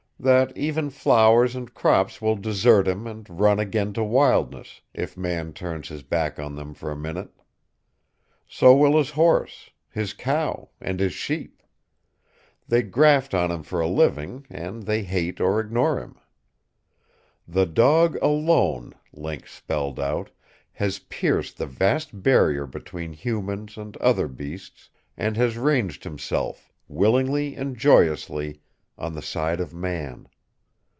That even flowers and crops will desert him and run again to wildness, if Man turns his back on them for a minute. So will his horse, his cow and his sheep. They graft on him for a living, and they hate or ignore him. The dog alone, Link spelled out, has pierced the vast barrier between humans and other beasts, and has ranged himself, willingly and joyously, on the side of Man.